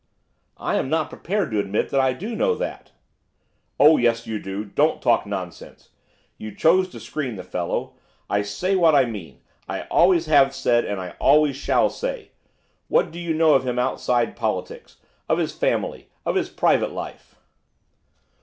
'I am not prepared to admit that I do know that.' 'Oh yes you do! don't talk nonsense! you choose to screen the fellow! I say what I mean, I always have said, and I always shall say. What do you know of him outside politics, of his family of his private life?